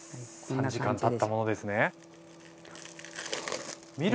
３時間たったものですね。